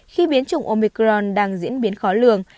khi biến chủng omicron đang diễn biến khó lường